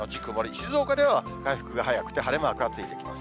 静岡では回復が早くて晴れマークがついてきます。